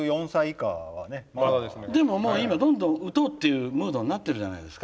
でももう今どんどん打とうっていうムードになってるじゃないですか。